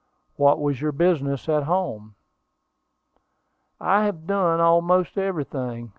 "What was your business at home?" "I have done almost everything.